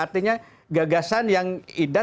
artinya gagasan yang indah